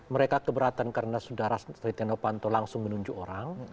mereka keberatan karena sudara setri tiongho panto langsung menunjuk orang